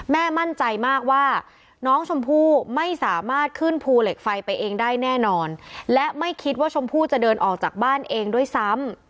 มั่นใจมากว่าน้องชมพู่ไม่สามารถขึ้นภูเหล็กไฟไปเองได้แน่นอนและไม่คิดว่าชมพู่จะเดินออกจากบ้านเองด้วยซ้ำ